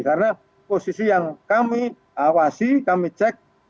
karena posisi yang kami awasi kami cek